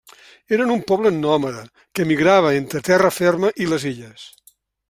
Eren un poble nòmada, que migrava entre terra ferma i les illes.